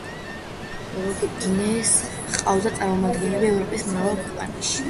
ორდენს ჰყავდა წარმომადგენლები ევროპის მრავალ ქვეყანაში.